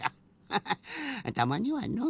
ハハたまにはのう。